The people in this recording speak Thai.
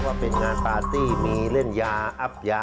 ว่าเป็นงานปาร์ตี้มีเล่นยาอับยา